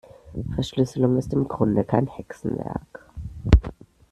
Verschlüsselung ist im Grunde kein Hexenwerk.